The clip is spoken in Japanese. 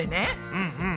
うんうん。